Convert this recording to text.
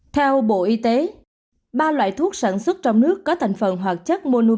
theo bộ y tế ba loại thuốc sản xuất trong nước có thành phần hoạt chất mua